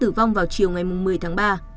tử vong vào chiều ngày một mươi tháng ba